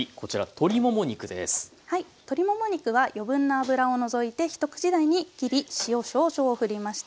鶏もも肉は余分な脂を除いて一口大に切り塩少々をふりました。